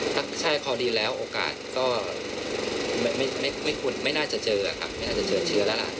ถ้าแช่คอลีนแล้วโอกาสก็ไม่ควรไม่น่าจะเจอครับไม่น่าจะเจอเชื้อแล้วล่ะถ้าคอลีน